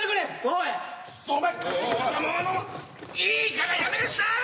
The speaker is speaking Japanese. いいからやめなしゃい！